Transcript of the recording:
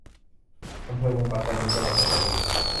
อำเภอเมืองปัตตานี จังหวัดปัตตานี